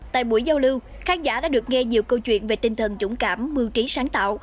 tại buổi giao lưu khán giả đã được nghe nhiều câu chuyện về tinh thần dũng cảm mưu trí sáng tạo